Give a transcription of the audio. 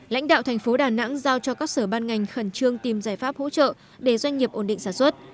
lãnh đạo thành phố đà nẵng giao cho các sở ban ngành khẩn trương tìm giải pháp hỗ trợ để doanh nghiệp ổn định sản xuất